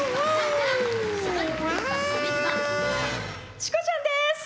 チコちゃんです！